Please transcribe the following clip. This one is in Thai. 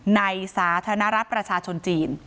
สาธารณรัฐประชาชนจีน